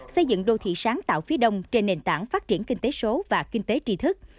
xây dựng đô thị sáng tạo phía đông trên nền tảng phát triển kinh tế số và kinh tế tri thức